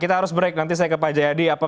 kita harus break nanti saya ke pak jayadi